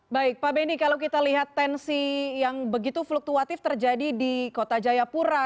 baik pak benny kalau kita lihat tensi yang begitu fluktuatif terjadi di kota jayapura